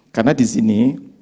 karena di sini